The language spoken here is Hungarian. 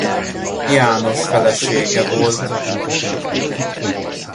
János felesége volt.